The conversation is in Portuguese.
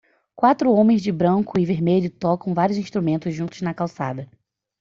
Quatro homens de branco e vermelho tocam vários instrumentos juntos na calçada.